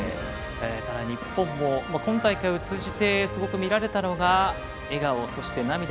ただ日本も今大会を通じてすごく見られたのが笑顔、そして涙。